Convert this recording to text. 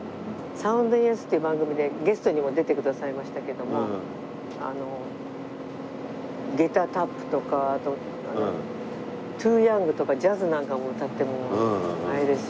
『サウンド・イン“Ｓ”』っていう番組でゲストにも出てくださいましたけどもあの下駄タップとかあと『トゥ・ヤング』とかジャズなんかも歌ってもあれですし。